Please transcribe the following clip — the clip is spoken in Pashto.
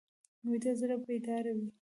ویده زړه بیداره وي